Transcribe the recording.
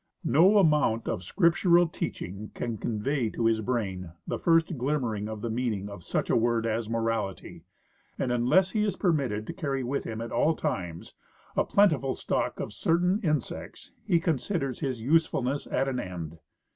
No amount of script ural teaching can convey to his brain the first glimmering of the meaning of such a word as morality ; and unless he is permitted to carry with him at all times a plentiful stock of certain insects he considers his usefulness at an end.